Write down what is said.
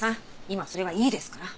今それはいいですから。